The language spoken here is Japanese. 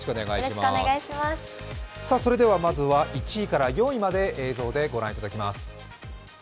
まずは１位から４位まで映像でご覧いただきます。